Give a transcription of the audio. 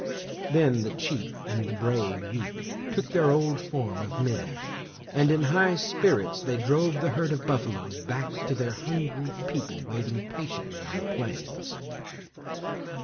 Then the Chief and the brave youth took their old form of men, and in high spirits they drove the herd of buffaloes back to their hungry people waiting patiently on the plains.